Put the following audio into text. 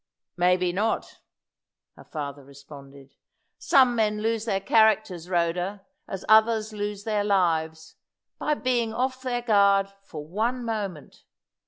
"Maybe not," her father responded. "Some men lose their characters, Rhoda, as others lose their lives, by being off their guard for one moment.